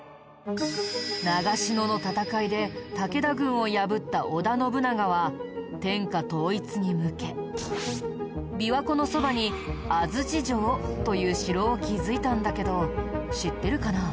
長篠の戦いで武田軍を破った織田信長は天下統一に向け琵琶湖のそばに安土城という城を築いたんだけど知ってるかな？